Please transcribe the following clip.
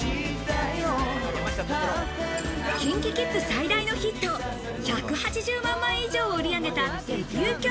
ＫｉｎＫｉＫｉｄｓ最大のヒット、１８０万枚以上を売り上げたデビュー曲。